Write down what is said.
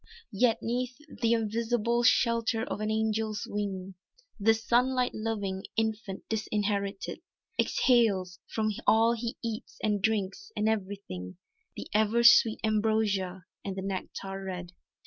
Yet 'neath th' invisible shelter of an Angel's wing This sunlight loving infant disinherited, Exhales from all he eats and drinks, and everything The ever sweet ambrosia and the nectar red.